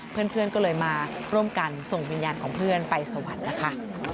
เพื่อนก็เลยมาร่วมกันส่งวิญญาณของเพื่อนไปสวรรค์นะคะ